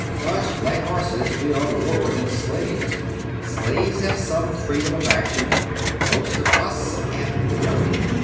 But, like horses, we are lower than slaves. Slaves have some freedom of action; most of us have none.